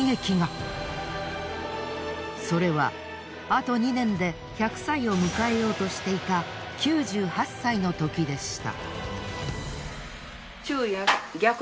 それはあと２年で１００歳を迎えようとしていた９８歳のときでした。